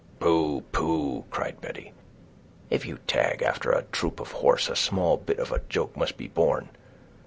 "Pooh! pooh!" cried Betty; "if you tag after a troop of horse, a small bit of a joke must be borne.